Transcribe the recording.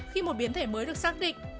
khi một biến thể mới được xác định